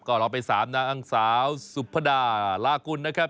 ก็เราไป๓น่างสาวซูภาดาลหาคุณนะครับ